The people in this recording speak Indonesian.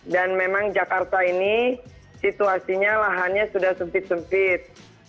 dan memang jakarta ini situasinya lahannya sudah sempit sempit